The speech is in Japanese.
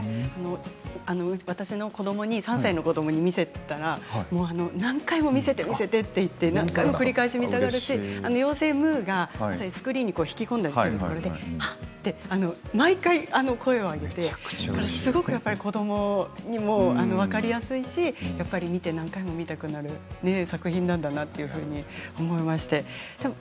私の３歳の子どもに見せたら何回も見せて見せてと繰り返し見たがるし妖精ムーがスクリーンに引き込んだりするところはっと毎回声を上げてすごく子どもにも分かりやすいし何回も見たくなる作品なんだなと思いました。